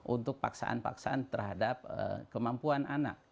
untuk paksaan paksaan terhadap kemampuan anak